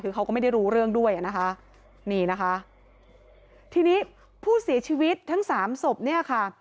คือเขาก็ไม่ได้รู้เรื่องด้วยอ่ะนะคะนี่นะคะทีนี้ผู้เสียชีวิตทั้งสามศพเนี่ยค่ะ